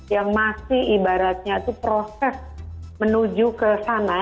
yang masih ibaratnya itu proses menuju ke sana